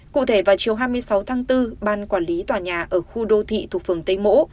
cụ thể vào chiều hai mươi sáu tháng bốn ban quản lý tòa nhà ở khu đô thị thuộc phường tây mỗ